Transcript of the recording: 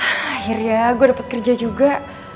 akhirnya gue dapat kerja juga